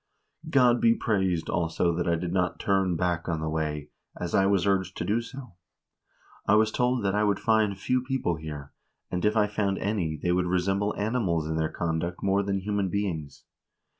God be praised, also, that I did not turn back on the way, as I was urged to do. I was told that I would find few people here, and if I found any, they would resemble animals in their conduct more than human beings.